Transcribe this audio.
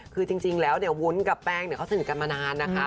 คือจริงแล้วเนี่ยวุ้นกับแป้งเนี่ยเขาสนิทกันมานานนะคะ